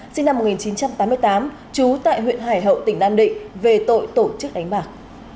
sinh năm một nghìn chín trăm tám mươi tám trú tại huyện hải hậu tỉnh nam định về tội tổ chức đánh bạc